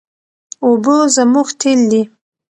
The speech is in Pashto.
اوبه زموږ تېل دي.